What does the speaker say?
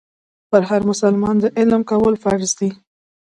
پر هر مسلمان د علم کول فرض دي.